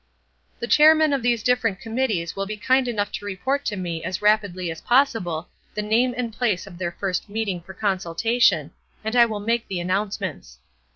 "The chairmen of these different committees will be kind enough to report to me as rapidly as possible the time and place of their first meeting for consultation, and I will make the announcements."